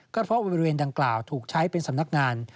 ก็เพราะบริเวณดังกล่าวถูกใช้เป็นสำนักงาน